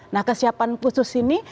nah kesiapan khusus ini